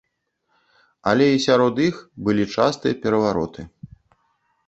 Але і сярод іх былі частыя перавароты.